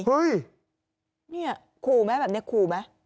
ในเนี่ยขู่ไหม